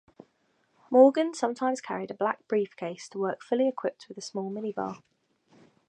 Morgan sometimes carried a black briefcase to work fully equipped with a small mini-bar.